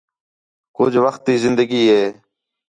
کُجھ وخت تی زندگی ہے